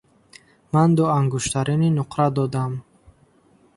– Ман ду ангуштарини нуқра додам.